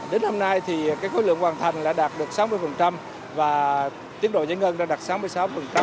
đến hôm nay khối lượng hoàn thành đã đạt được sáu mươi và tiến độ giải ngân đã đạt sáu mươi sáu